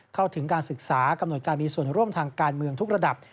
เข้าถึงการศึกษากำหนดการมีส่วนร่วมทางการเมืองทุกระดับ